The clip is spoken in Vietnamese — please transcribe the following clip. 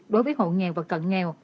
đối với hộ nghèo và cận nghèo